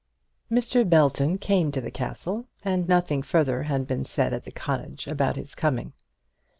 Mr. Belton came to the castle, and nothing further had been said at the cottage about his coming.